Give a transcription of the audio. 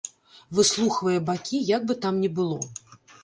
Выслухвае бакі, як бы там ні было.